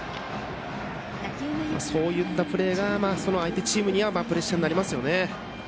そういったプレーが相手チームにはプレッシャーになりますよね。